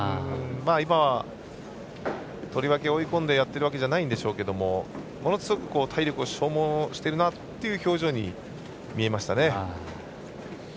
今、とりわけ追い込んでやってるわけじゃないんでしょうけどものすごく体力を消耗しているなという表情に見えましたね。